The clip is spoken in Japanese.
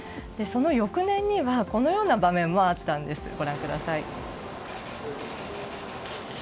その翌年にはこのような場面もあったんです。